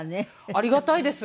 ありがたいです。